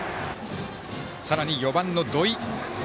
さらに、４番の土井。